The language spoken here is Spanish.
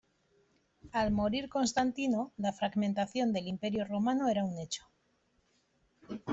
Al morir Constantino, la fragmentación del Imperio Romano era un hecho.